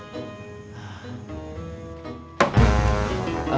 masih ada yang lain